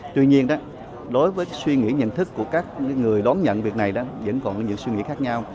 tuy nhiên đối với suy nghĩ nhận thức của các người đón nhận việc này đó vẫn còn có những suy nghĩ khác nhau